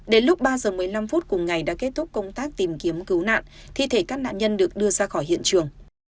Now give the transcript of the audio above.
đến lúc ba giờ một mươi năm phút cùng ngày đã kết thúc công tác tìm kiếm cứu nạn thi thể các nạn nhân được đưa ra khỏi hiện trường